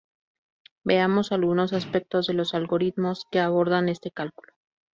Veamos algunos aspectos de los algoritmos que abordan este cálculo.